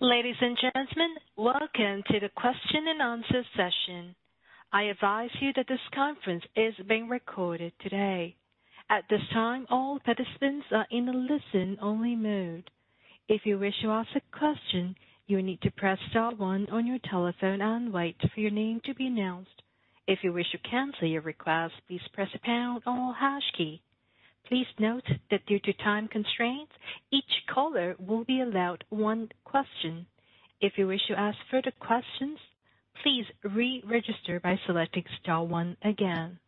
Ladies and gentlemen, welcome to the question-and-answer session. I advise you that this conference is being recorded today. At this time, all participants are in a listen-only mode. If you wish to ask a question, you need to press star one on your telephone and wait for your name to be announced. If you wish to cancel your request, please press the pound or hash key. Please note that due to time constraints, each caller will be allowed one question. If you wish to ask further questions, please re-register by selecting star one again.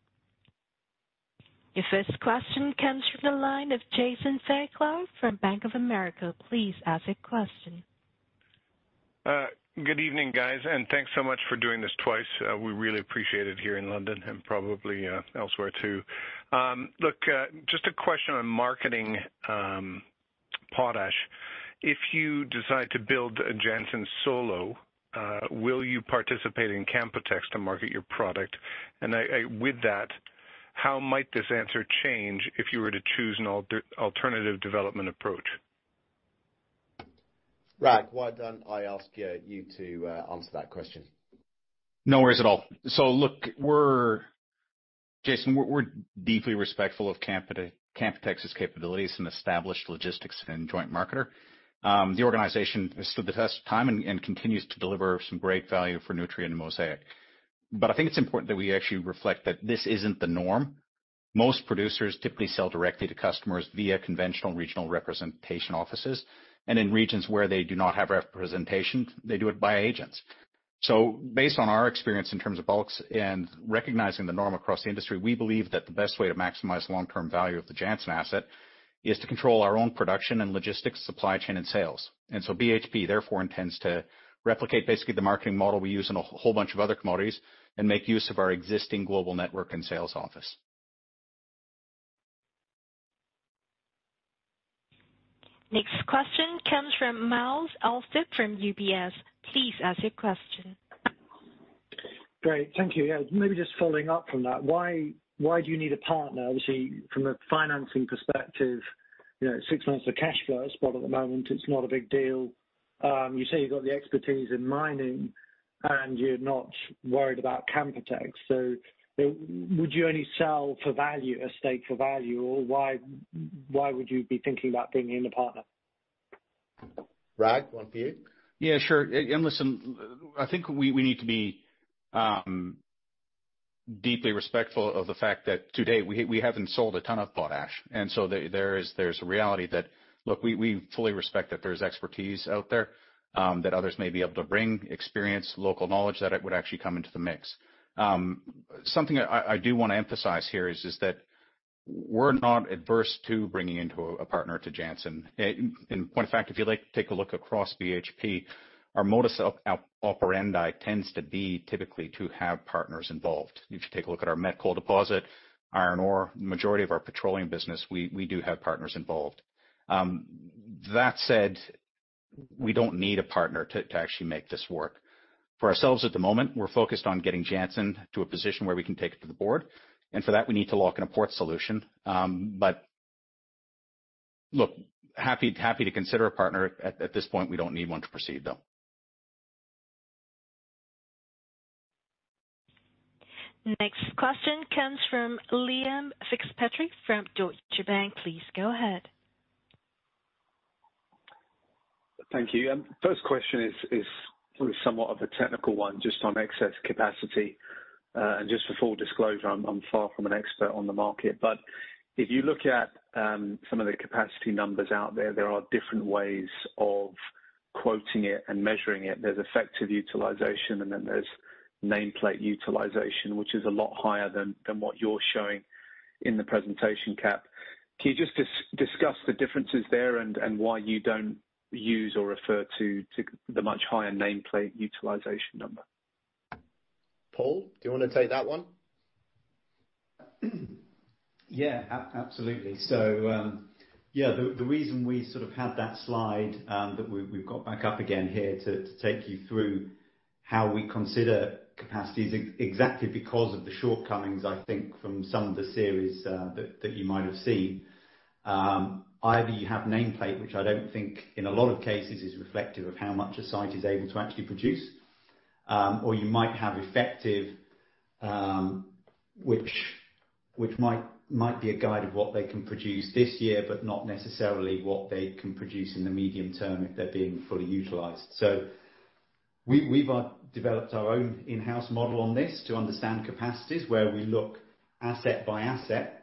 The first question comes from the line of Jason Fairclough from Bank of America. Please ask a question. Good evening, guys, and thanks so much for doing this twice. We really appreciate it here in London and probably elsewhere too. Look, just a question on marketing potash. If you decide to build Jansen solo, will you participate in Canpotex to market your product? With that, how might this answer change if you were to choose an alternative development approach? Rag, why don't I ask you to answer that question? No worries at all. Look, Jason, we're deeply respectful of Canpotex's capabilities, an established logistics and joint marketer. The organization has stood the test of time and continues to deliver some great value for Nutrien and Mosaic. I think it's important that we actually reflect that this isn't the norm. Most producers typically sell directly to customers via conventional regional representation offices. In regions where they do not have representation, they do it by agents. Based on our experience in terms of bulks and recognizing the norm across the industry, we believe that the best way to maximize long-term value of the Jansen asset is to control our own production and logistics, supply chain, and sales. BHP therefore intends to replicate basically the marketing model we use in a whole bunch of other commodities and make use of our existing global network and sales office. Next question comes from Myles Allsop from UBS. Please ask your question. Great. Thank you. Yeah, maybe just following up from that, why do you need a partner? Obviously, from a financing perspective, six months of cash flow spot at the moment, it's not a big deal. You say you've got the expertise in mining and you're not worried about Canpotex. Would you only sell for value, a stake for value, or why would you be thinking about bringing in a partner? Rag, one for you. Yeah, sure. Listen, I think we need to be deeply respectful of the fact that to date, we haven't sold a ton of potash. There's a reality that, look, we fully respect that there's expertise out there, that others may be able to bring experience, local knowledge that would actually come into the mix. Something I do want to emphasize here is just that we're not adverse to bringing in a partner to Jansen. In point of fact, if you'd like to take a look across BHP, our modus operandi tends to be typically to have partners involved. If you take a look at our met coal deposit, iron ore, majority of our petroleum business, we do have partners involved. We don't need a partner to actually make this work. For ourselves at the moment, we're focused on getting Jansen to a position where we can take it to the board. For that, we need to lock in a port solution. Look, happy to consider a partner. At this point, we don't need one to proceed, though. Next question comes from Liam Fitzpatrick from Deutsche Bank. Please go ahead. Thank you. First question is sort of somewhat of a technical one, just on excess capacity. Just for full disclosure, I'm far from an expert on the market. If you look at some of the capacity numbers out there are different ways of quoting it and measuring it. There's effective utilization, and then there's nameplate utilization, which is a lot higher than what you're showing in the presentation cap. Can you just discuss the differences there and why you don't use or refer to the much higher nameplate utilization number? Paul, do you want to take that one? Yeah, absolutely. Yeah, the reason we sort of had that slide that we've got back up again here to take you through how we consider capacity is exactly because of the shortcomings, I think from some of the series that you might have seen. Either you have nameplate, which I don't think in a lot of cases is reflective of how much a site is able to actually produce. You might have effective, which might be a guide of what they can produce this year, but not necessarily what they can produce in the medium term if they're being fully utilized. We've developed our own in-house model on this to understand capacities, where we look asset by asset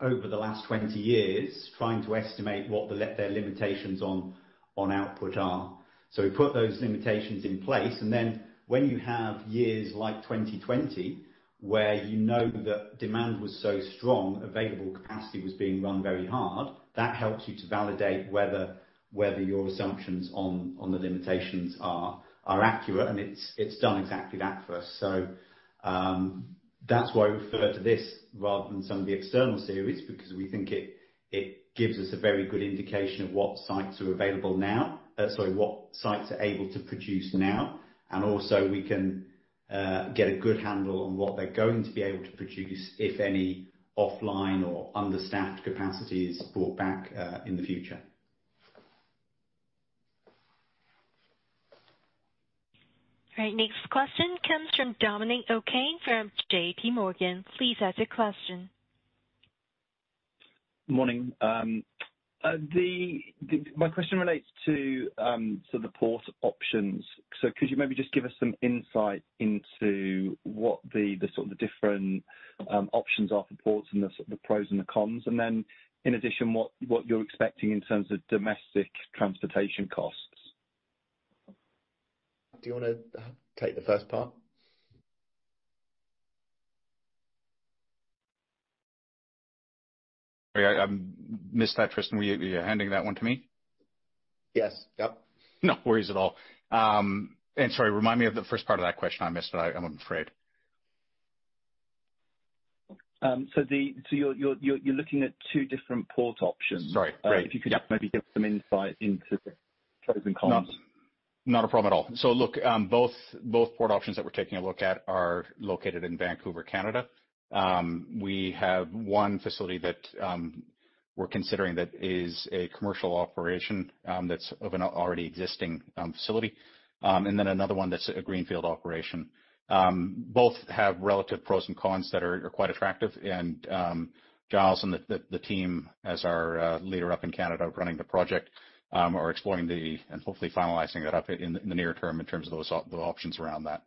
over the last 20 years, trying to estimate what their limitations on output are. We put those limitations in place, and then when you have years like 2020 where you know that demand was so strong, available capacity was being run very hard, that helps you to validate whether your assumptions on the limitations are accurate. It's done exactly that for us. That's why we refer to this rather than some of the external series, because we think it gives us a very good indication of what sites are available now. Sorry, what sites are able to produce now. Also we can get a good handle on what they're going to be able to produce, if any, offline or understaffed capacity is brought back in the future. Our next question comes from Dominic O'Kane from JPMorgan. Please ask your question. Morning. My question relates to the port options. Could you maybe just give us some insight into what the different options are for ports and the pros and the cons, and then in addition, what you're expecting in terms of domestic transportation costs? Do you want to take the first part? Missed that, Tristan. Were you handing that one to me? Yes. Yep. No worries at all. Sorry, remind me of the first part of that question? I missed it, I'm afraid. You're looking at two different port options. Sorry. Great. Yeah. If you could maybe give some insight into the pros and cons. Look, both port options that we're taking a look at are located in Vancouver, Canada. We have one facility that we're considering that is a commercial operation, that's of an already existing facility. Then another one that's a greenfield operation. Both have relative pros and cons that are quite attractive. Giles and the team, as our leader up in Canada running the project, are exploring and hopefully finalizing it up in the near term in terms of those options around that.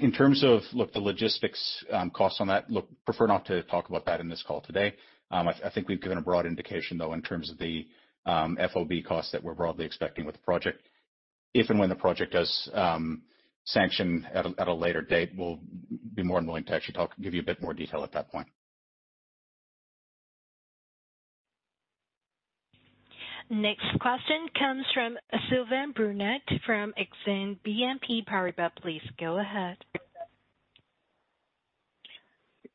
In terms of the logistics cost on that, look, prefer not to talk about that in this call today. I think we've given a broad indication, though, in terms of the FOB cost that we're broadly expecting with the project. If and when the project does sanction at a later date, we'll be more than willing to actually talk and give you a bit more detail at that point. Next question comes from Sylvain Brunet from Exane BNP Paribas. Please go ahead.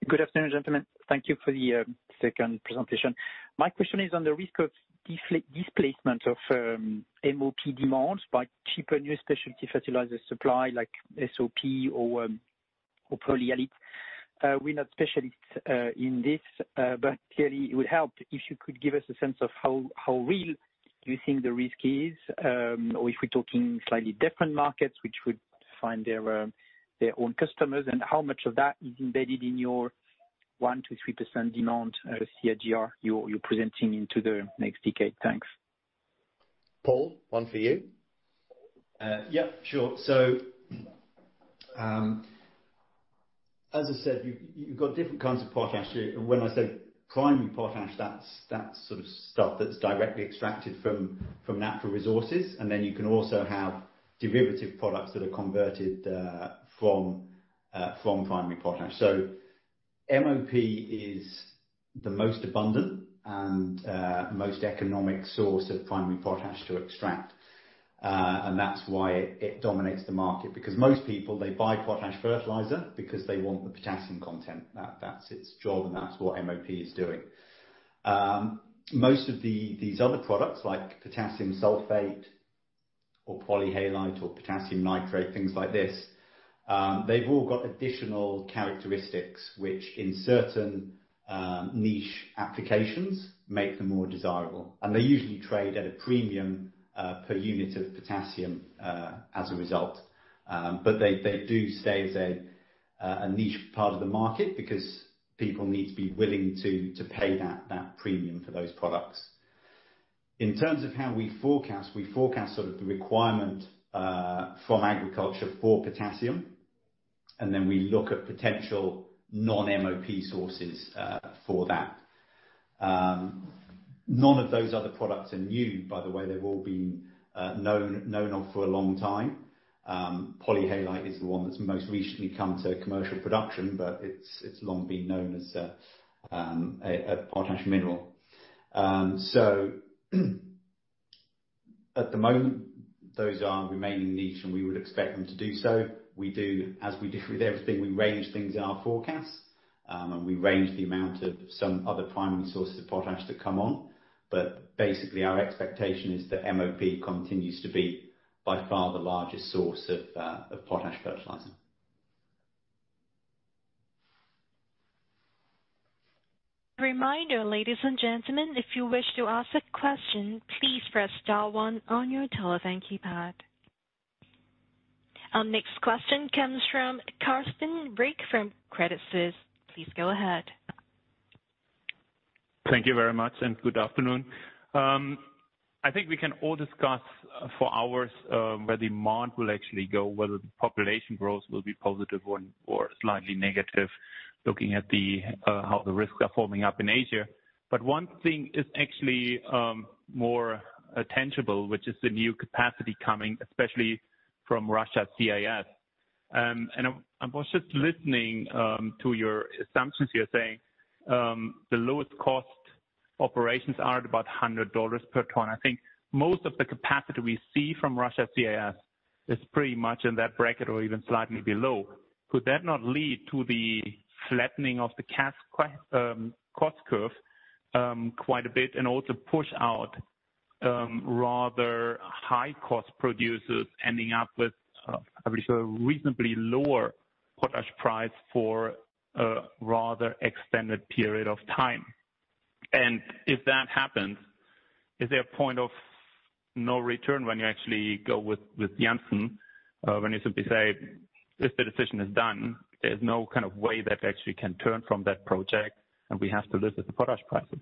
Good afternoon, gentlemen. Thank you for the second presentation. My question is on the risk of displacement of MOP demands by cheaper new specialty fertilizer supply like SOP or polyhalite. We're not specialists in this, but clearly it would help if you could give us a sense of how real you think the risk is, or if we're talking slightly different markets, which would find their own customers, and how much of that is embedded in your 1%-3% demand CAGR you're presenting into the next decade. Thanks. Paul, one for you. Yeah, sure. As I said, you've got different kinds of potash. When I say primary potash, that's stuff that's directly extracted from natural resources, and then you can also have derivative products that are converted from primary potash. MOP is the most abundant and most economic source of primary potash to extract, and that's why it dominates the market, because most people, they buy potash fertilizer because they want the potassium content. That's its job, and that's what MOP is doing. Most of these other products, like potassium sulfate or polyhalite or potassium nitrate, things like this, they've all got additional characteristics, which in certain niche applications, make them more desirable. They usually trade at a premium per unit of potassium as a result. They do stay as a niche part of the market because people need to be willing to pay that premium for those products. In terms of how we forecast, we forecast the requirement from agriculture for potassium, then we look at potential non-MOP sources for that. None of those other products are new, by the way. They've all been known of for a long time. polyhalite is the one that's most recently come to commercial production, but it's long been known as a potash mineral. At the moment, those are remaining niche, and we would expect them to do so. As we do with everything, we range things in our forecasts, and we range the amount of some other primary sources of potash that come on. Basically, our expectation is that MOP continues to be by far the largest source of potash fertilizer. Reminder, ladies and gentlemen, if you wish to ask a question, please press star one on your telephone keypad. Our next question comes from Carsten Riek from Credit Suisse. Please go ahead. Thank you very much, and good afternoon. I think we can all discuss for hours where demand will actually go, whether the population growth will be positive or slightly negative, looking at how the risks are forming up in Asia. One thing is actually more tangible, which is the new capacity coming, especially from Russia CIS. I was just listening to your assumptions. You're saying the lowest cost operations are at about $100 per ton. I think most of the capacity we see from Russia CIS is pretty much in that bracket or even slightly below. Could that not lead to the flattening of the cost curve quite a bit and also push out rather high cost producers ending up with a reasonably lower potash price for a rather extended period of time. If that happens, is there a point of no return when you actually go with Jansen? When you simply say, if the decision is done, there's no way that actually can turn from that project, and we have to live with the potash prices.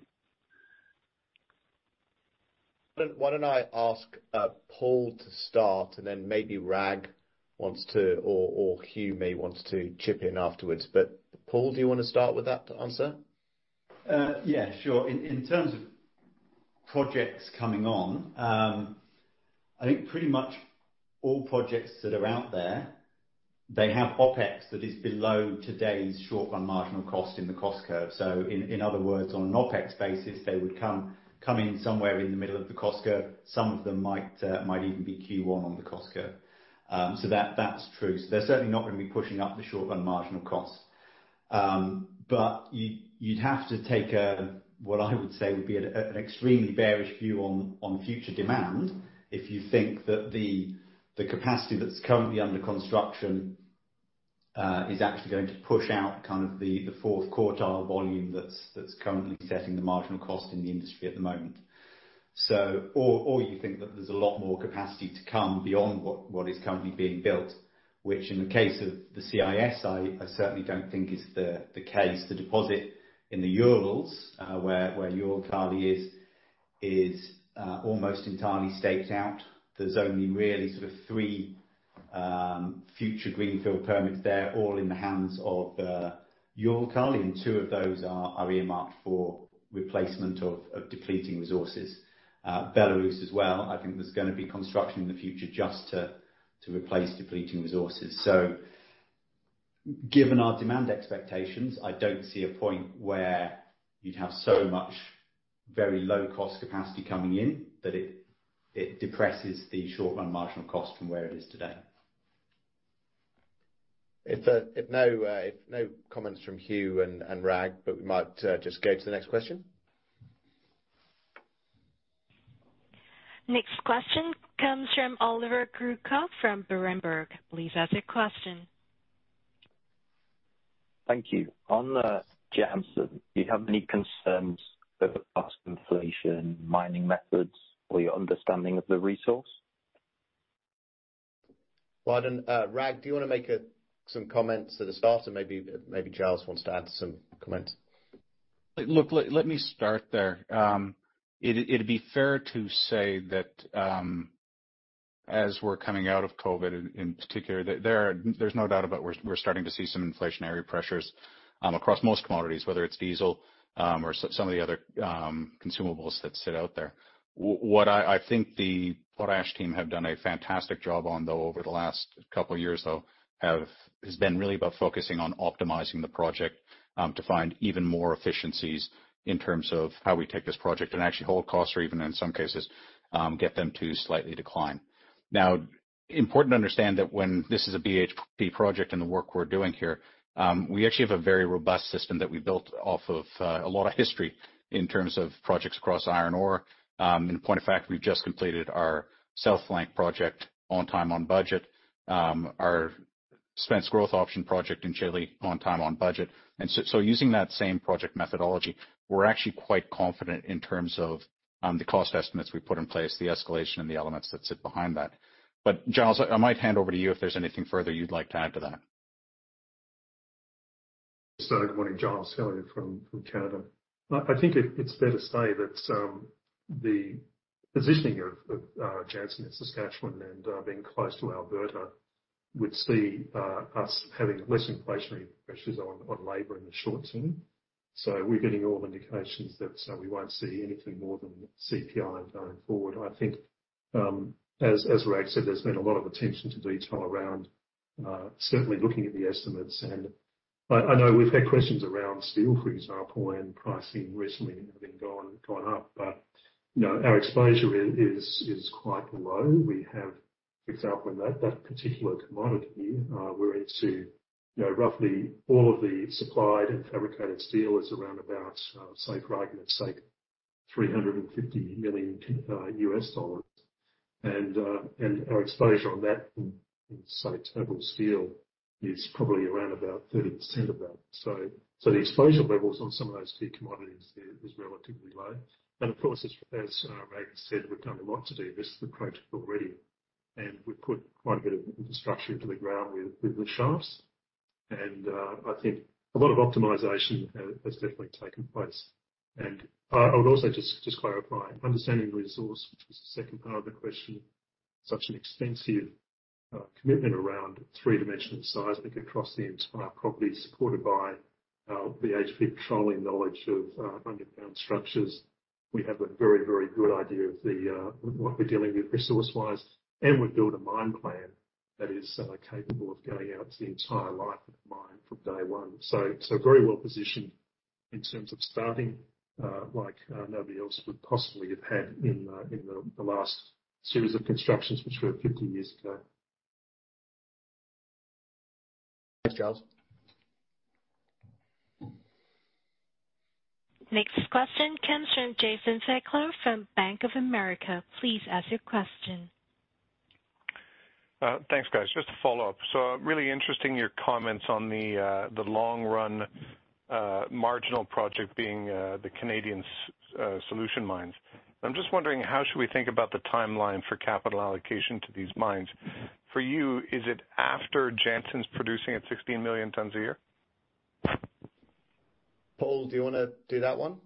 Why don't I ask Paul to start and then maybe Rag wants to or Hugh may wants to chip in afterwards. Paul, do you want to start with that to answer? Yeah, sure. In terms of projects coming on, I think pretty much all projects that are out there, they have OpEx that is below today's short-run marginal cost in the cost curve. In other words, on an OpEx basis, they would come in somewhere in the middle of the cost curve. Some of them might even be Q1 on the cost curve. That's true. They're certainly not going to be pushing up the short-run marginal cost. You'd have to take what I would say would be an extremely bearish view on future demand if you think that the capacity that's currently under construction is actually going to push out the fourth quartile volume that's currently setting the marginal cost in the industry at the moment. You think that there's a lot more capacity to come beyond what is currently being built, which in the case of the CIS, I certainly don't think is the case. The deposit in the Urals, where Uralkali is almost entirely staked out. There's only really three future greenfield permits there, all in the hands of Uralkali, and two of those are earmarked for replacement of depleting resources. Belarus as well, I think there's going to be construction in the future just to replace depleting resources. Given our demand expectations, I don't see a point where you'd have so much very low-cost capacity coming in that it depresses the short-run marginal cost from where it is today. If no comments from Hugh and Rag, but we might just go to the next question. Next question comes from Oliver Kruka from Berenberg. Please ask your question. Thank you. On Jansen, do you have any concerns over past inflation, mining methods, or your understanding of the resource? Rag, do you want to make some comments at the start? Or maybe Giles wants to add some comments. Look, let me start there. It'd be fair to say that as we're coming out of COVID, in particular, there's no doubt about we're starting to see some inflationary pressures across most commodities, whether it's diesel or some of the other consumables that sit out there. What I think the potash team have done a fantastic job on, though, over the last couple of years, though, has been really about focusing on optimizing the project to find even more efficiencies in terms of how we take this project and actually hold costs or even in some cases, get them to slightly decline. Now, important to understand that when this is a BHP project and the work we're doing here, we actually have a very robust system that we built off of a lot of history in terms of projects across iron ore. In point of fact, we've just completed our South Flank project on time, on budget, our Spence growth option project in Chile on time, on budget. Using that same project methodology, we're actually quite confident in terms of the cost estimates we put in place, the escalation and the elements that sit behind that. Giles, I might hand over to you if there's anything further you'd like to add to that. Good morning, Giles Kelly from Canada. I think it's fair to say that the positioning of Jansen in Saskatchewan and being close to Alberta would see us having less inflationary pressures on labor in the short term. We're getting all the indications that we won't see anything more than CPI going forward. I think, as Rag said, there's been a lot of attention to detail around certainly looking at the estimates. I know we've had questions around steel, for example, and pricing recently having gone up. Our exposure is quite low. We have, for example, in that particular commodity, we're into roughly all of the supplied and fabricated steel is around about, say, Rag, it's like $350 million. Our exposure on that in, say, tubular steel is probably around about 30% of that. The exposure levels on some of those key commodities there is relatively low. Of course, as Ragnar Udd said, we've done a lot to de-risk the project already. We put quite a bit of infrastructure into the ground with the shafts. I think a lot of optimization has definitely taken place. I would also just clarify, understanding resource, which was the second part of the question, such an extensive commitment around three-dimensional seismic across the entire property, supported by BHP controlling knowledge of underground structures. We have a very, very good idea of what we're dealing with resource-wise, and we build a mine plan that is capable of going out to the entire life of the mine from day one. Very well positioned in terms of starting like nobody else would possibly have had in the last series of constructions, which were 50 years ago. Thanks, guys. Next question comes from Jason Fairclough from Bank of America. Please ask your question. Thanks, guys. Just to follow up. Really interesting, your comments on the long run marginal project being the Canadian solution mines. I'm just wondering, how should we think about the timeline for capital allocation to these mines? For you, is it after Jansen's producing at 16 million tons a year? Paul, do you want to do that one?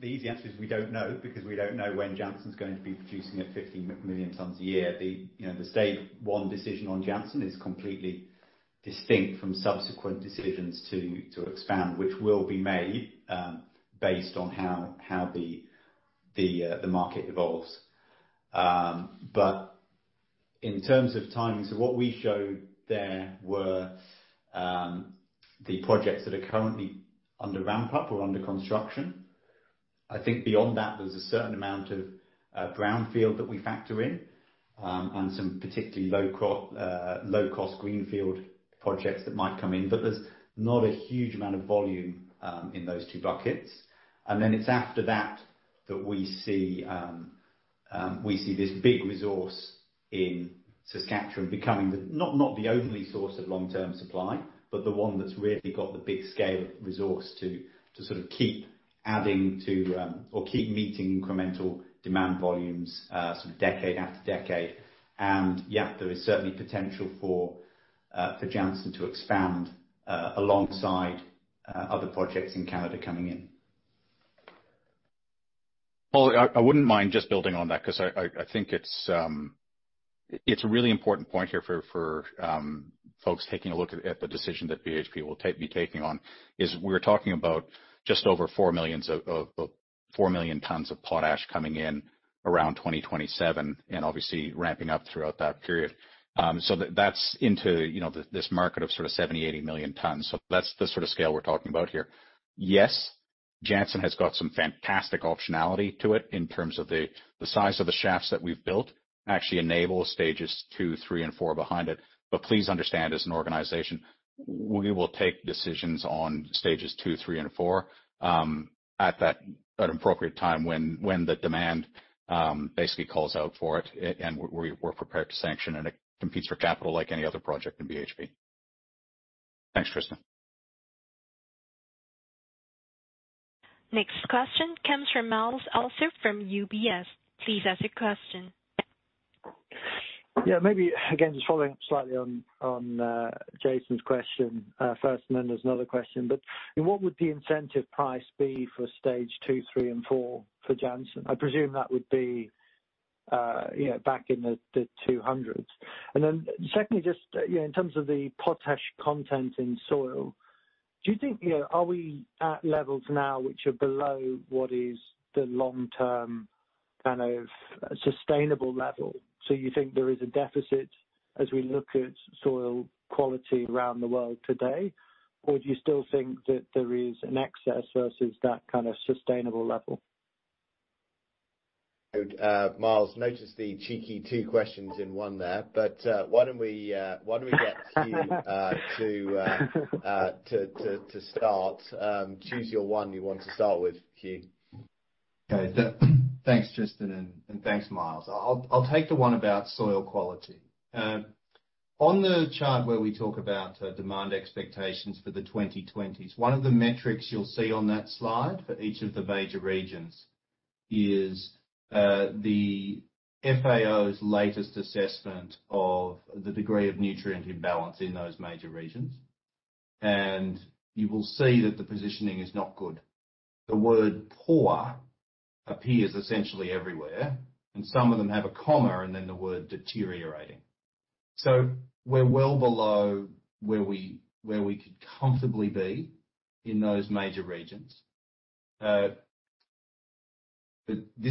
The easy answer is we don't know, because we don't know when Jansen's going to be producing at 50 million tons a year. The stage one decision on Jansen is completely distinct from subsequent decisions to expand, which will be made based on how the market evolves. In terms of timing, so what we showed there were the projects that are currently under ramp up or under construction. I think beyond that, there's a certain amount of brownfield that we factor in and some particularly low-cost greenfield projects that might come in. There's not a huge amount of volume in those two buckets. It's after that that we see this big resource in Saskatchewan becoming not the only source of long-term supply, but the one that's really got the big scale of resource to sort of keep adding to or keep meeting incremental demand volumes sort of decade after decade. Yeah, there is certainly potential for Jansen to expand alongside other projects in Canada coming in. Paul, I wouldn't mind just building on that because I think it's a really important point here for folks taking a look at the decision that BHP will be taking on, is we're talking about just over 4 million tons of potash coming in around 2027 and obviously ramping up throughout that period. That's into this market of sort of 70 or 80 million tons. That's the sort of scale we're talking about here. Yes, Jansen has got some fantastic optionality to it in terms of the size of the shafts that we've built actually enable stages two, three and four behind it. Please understand, as an organization, we will take decisions on stages two, three and four at an appropriate time when the demand basically calls out for it and we're prepared to sanction and compete for capital like any other project in BHP. Thanks, Tristan. Next question comes from Myles Allsop from UBS. Please ask your question. Yeah, maybe again, just following up slightly on Jason's question first, and then there's another question. What would the incentive price be for stage two, three and four for Jansen? I presume that would be back in the 200s. Secondly, just in terms of the potash content in soil, do you think are we at levels now which are below what is the long-term kind of sustainable level? You think there is a deficit as we look at soil quality around the world today? Do you still think that there is an excess versus that kind of sustainable level? Myles, notice the cheeky two questions in one there. Why don't we get Hugh to start? Choose your one you want to start with, Hugh. Okay. Thanks, Tristan, and thanks, Myles. I'll take the one about soil quality. On the chart where we talk about demand expectations for the 2020s, one of the metrics you'll see on that slide for each of the major regions is the FAO's latest assessment of the degree of nutrient imbalance in those major regions. You will see that the positioning is not good. The word poor appears essentially everywhere, and some of them have a comma and then the word deteriorating. We're well below where we could comfortably be in those major regions. This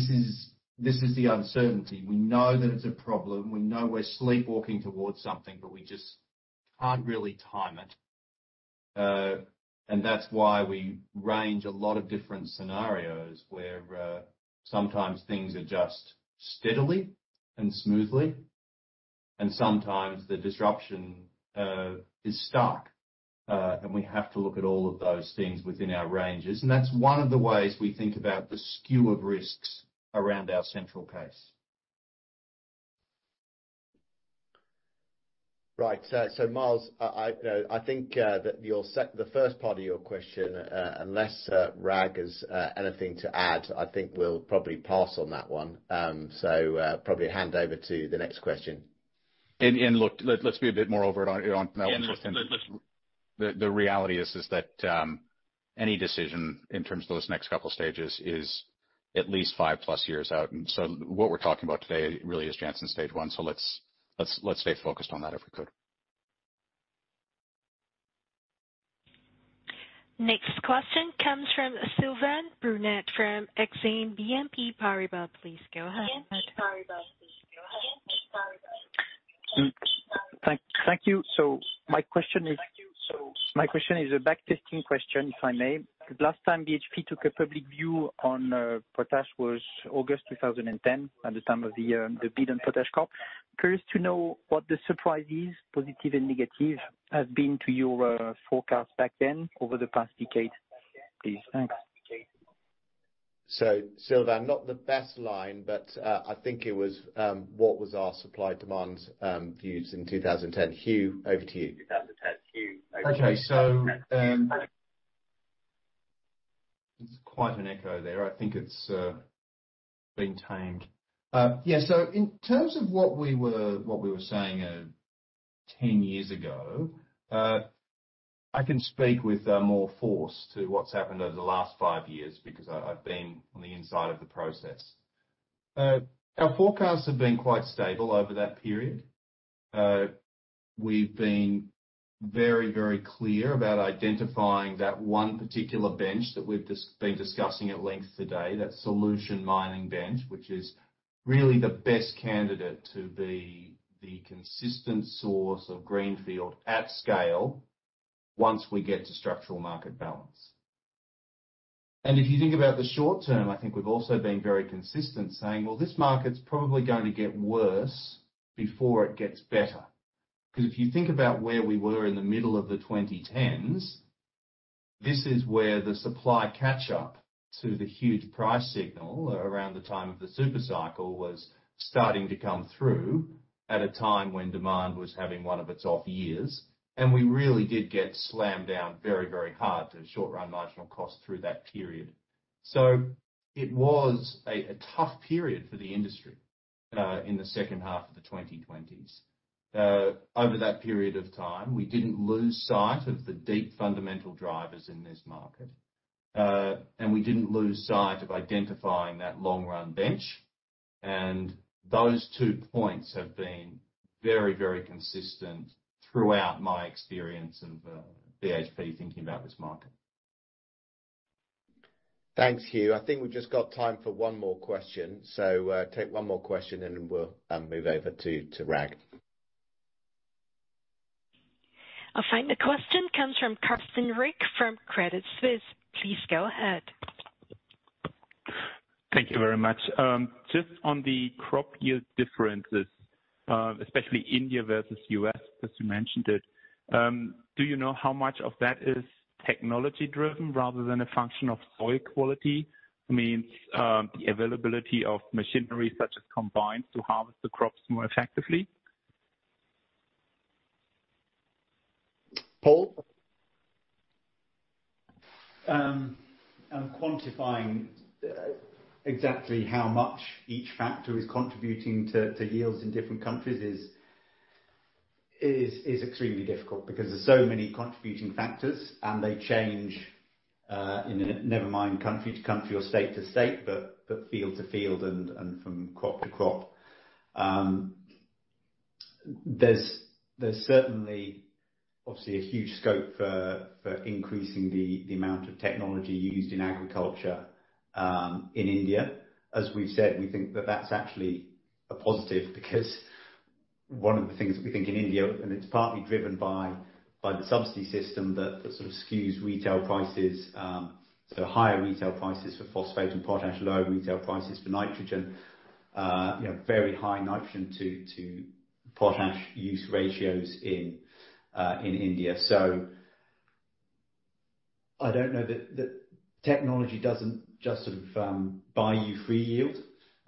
is the uncertainty. We know that it's a problem. We know we're sleepwalking towards something, but we just can't really time it. That's why we range a lot of different scenarios where sometimes things adjust steadily and smoothly, and sometimes the disruption is stuck. We have to look at all of those things within our ranges. That's one of the ways we think about the skew of risks around our central case. Right. Myles, I think that the first part of your question, unless Rag has anything to add, I think we'll probably pass on that one. Probably hand over to the next question. Look, let's be a bit more overt on that. Yeah. The reality is that any decision in terms of those next couple of stages is at least 5+ years out. What we're talking about today really is Jansen stage one. Let's stay focused on that, if we could. Next question comes from Sylvain Brunet from Exane BNP Paribas. Please go ahead. Thank you. My question is a back-testing question, if I may. The last time BHP took a public view on potash was August 2010, at the time of the bid on PotashCorp. Curious to know what the surprise is, positive and negative, have been to your forecast back then over the past decade, please. Thanks. Sylvain, not the best line, but I think it was what was our supply-demand views in 2010. Hugh, over to you. Okay. It's quite an echo there. I think it's being tamed. Yeah. In terms of what we were saying 10 years ago, I can speak with more force to what's happened over the last five years because I've been on the inside of the process. Our forecasts have been quite stable over that period. We've been very clear about identifying that one particular bench that we've been discussing at length today, that solution mining bench, which is really the best candidate to be the consistent source of greenfield at scale once we get to structural market balance. If you think about the short term, I think we've also been very consistent saying, well, this market's probably going to get worse before it gets better. Because if you think about where we were in the middle of the 2010s, this is where the supply catch-up to the huge price signal around the time of the super cycle was starting to come through at a time when demand was having one of its off years. We really did get slammed down very hard to short-run marginal cost through that period. It was a tough period for the industry, in the second half of the 2020s. Over that period of time, we didn't lose sight of the deep fundamental drivers in this market. We didn't lose sight of identifying that long-run bench. Those two points have been very consistent throughout my experience of BHP thinking about this market. Thanks, Hugh. I think we've just got time for one more question. Take one more question and we'll move over to Rag. Our final question comes from Carsten Riek from Credit Suisse. Please go ahead. Thank you very much. Just on the crop yield differences, especially India versus U.S., as you mentioned it, do you know how much of that is technology driven rather than a function of soil quality? Means the availability of machinery such as combines to harvest the crops more effectively? Paul? Quantifying exactly how much each factor is contributing to yields in different countries is extremely difficult because there's so many contributing factors and they change, never mind country to country or state to state, but field to field and from crop to crop. There's certainly, obviously, a huge scope for increasing the amount of technology used in agriculture in India. As we've said, we think that that's actually a positive because one of the things we think in India, and it's partly driven by the subsidy system that sort of skews retail prices. Higher retail prices for phosphate and potash, lower retail prices for nitrogen. Very high nitrogen to potash use ratios in India. I don't know that technology doesn't just sort of buy you free yield.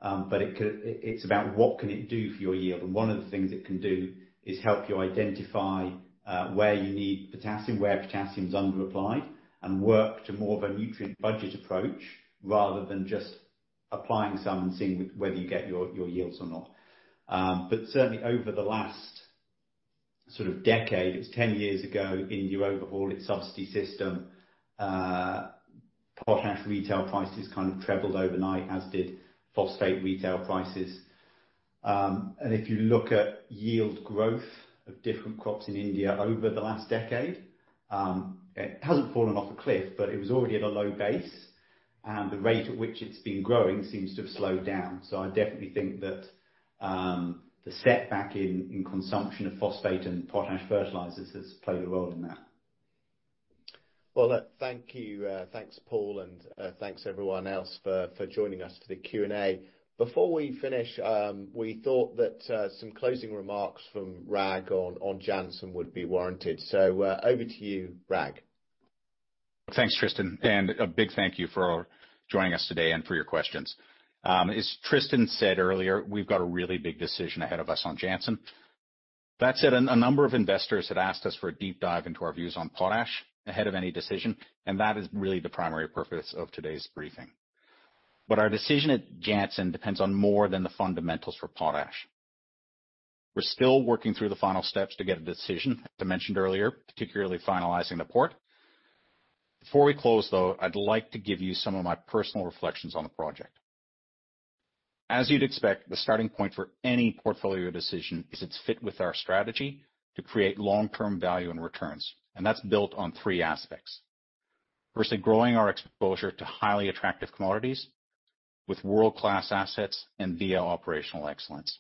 It's about what can it do for your yield. One of the things it can do is help you identify where you need potassium, where potassium is under applied, and work to more of a nutrient budget approach rather than just applying some and seeing whether you get your yields or not. Certainly over the last sort of decade, it was 10 years ago, India overhauled its subsidy system. Potash retail prices kind of trebled overnight, as did phosphate retail prices. If you look at yield growth of different crops in India over the last decade, it hasn't fallen off a cliff, but it was already at a low base. The rate at which it's been growing seems to have slowed down. I definitely think that the setback in consumption of phosphate and potash fertilizers has played a role in that. Well, look, thank you. Thanks, Paul. Thanks everyone else for joining us for the Q&A. Before we finish, we thought that some closing remarks from Rag on Jansen would be warranted. Over to you, Rag. Thanks, Tristan. A big thank you for joining us today and for your questions. As Tristan said earlier, we've got a really big decision ahead of us on Jansen. That said, a number of investors had asked us for a deep dive into our views on potash ahead of any decision, and that is really the primary purpose of today's briefing. Our decision at Jansen depends on more than the fundamentals for potash. We're still working through the final steps to get a decision, as I mentioned earlier, particularly finalizing the port. Before we close, though, I'd like to give you some of my personal reflections on the project. As you'd expect, the starting point for any portfolio decision is its fit with our strategy to create long-term value and returns. That's built on three aspects. Firstly, growing our exposure to highly attractive commodities with world-class assets and BHP operational excellence.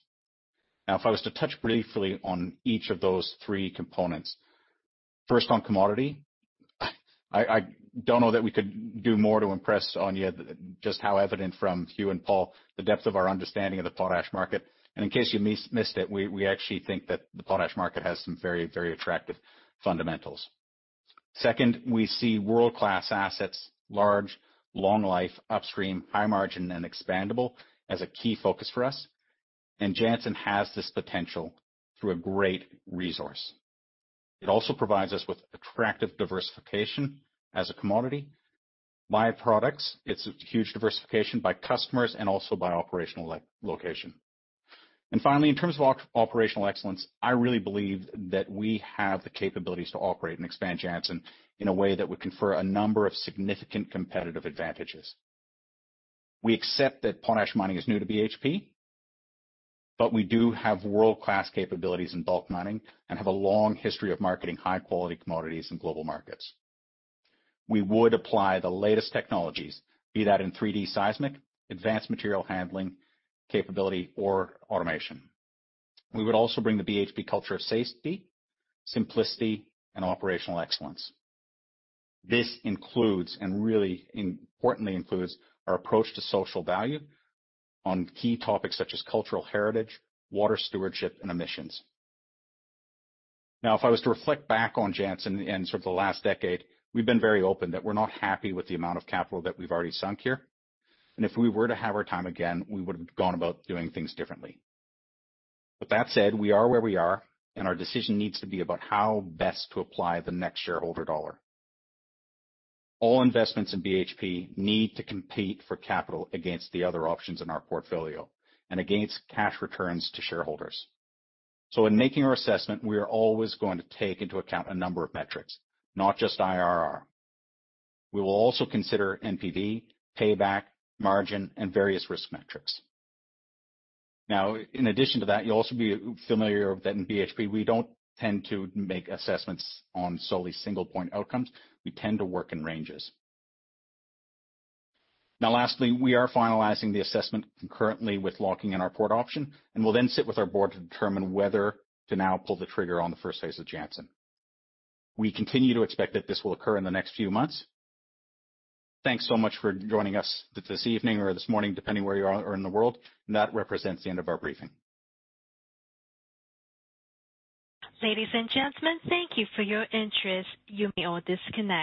If I was to touch briefly on each of those three components. First, on commodity, I don't know that we could do more to impress on you just how evident from you and Paul, the depth of our understanding of the potash market. In case you missed it, we actually think that the potash market has some very, very attractive fundamentals. Second, we see world-class assets, large, long-life, upstream, high-margin, and expandable as a key focus for us. Jansen has this potential through a great resource. It also provides us with attractive diversification as a commodity. Byproducts, it's a huge diversification by customers and also by operational location. Finally, in terms of operational excellence, I really believe that we have the capabilities to operate and expand Jansen in a way that would confer a number of significant competitive advantages. We accept that potash mining is new to BHP, but we do have world-class capabilities in bulk mining and have a long history of marketing high-quality commodities in global markets. We would apply the latest technologies, be that in 3D seismic, advanced material handling capability, or automation. We would also bring the BHP culture of safety, simplicity, and operational excellence. This includes, and really importantly includes, our approach to social value on key topics such as cultural heritage, water stewardship, and emissions. If I was to reflect back on Jansen and sort of the last decade, we've been very open that we're not happy with the amount of capital that we've already sunk here. If we were to have our time again, we would have gone about doing things differently. That said, we are where we are, and our decision needs to be about how best to apply the next shareholder dollar. All investments in BHP need to compete for capital against the other options in our portfolio and against cash returns to shareholders. In making our assessment, we are always going to take into account a number of metrics, not just IRR. We will also consider NPV, payback, margin, and various risk metrics. In addition to that, you'll also be familiar with that in BHP, we don't tend to make assessments on solely single point outcomes. We tend to work in ranges. Now lastly, we are finalizing the assessment concurrently with locking in our port option, and we'll then sit with our board to determine whether to now pull the trigger on the first phase of Jansen. We continue to expect that this will occur in the next few months. Thanks so much for joining us this evening or this morning, depending where you are in the world, and that represents the end of our briefing. Ladies and gentlemen, thank you for your interest. You may all disconnect.